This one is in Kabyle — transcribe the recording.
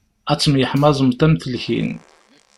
Ad temyeḥmaẓemt am telkin.